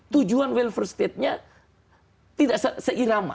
tujuan welfare state nya tidak seirama